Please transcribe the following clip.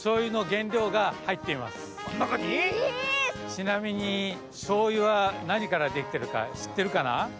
ちなみにしょうゆはなにからできてるかしってるかな？